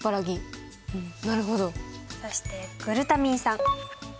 そしてグルタミン酸。